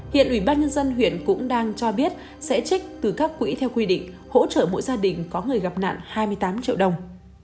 hiện ủy ban nhân dân huyện cũng đang cho biết sẽ trích từ các quỹ theo quy định hỗ trợ mỗi gia đình có người gặp nạn hai mươi tám triệu đồng